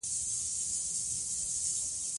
د ژوند ستونزې انسان ته د مقابلې او صبر درس ورکوي.